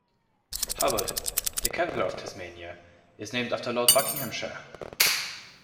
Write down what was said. Hobart, the capital of Tasmania, is named after Lord Buckinghamshire.